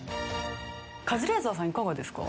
カズレーザーさんいかがですか？